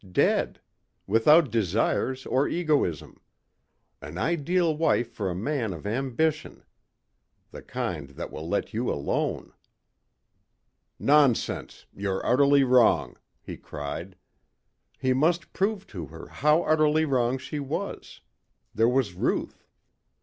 Dead. Without desires or egoism. An ideal wife for a man of ambition. The kind that will let you alone." "Nonsense. You're utterly wrong," he cried. He must prove to her how utterly wrong she was. There was Ruth.